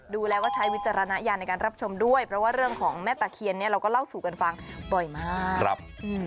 ดูแล้วก็ใช้วิจารณญาณในการรับชมด้วยเพราะว่าเรื่องของแม่ตะเคียนเนี่ยเราก็เล่าสู่กันฟังบ่อยมากครับ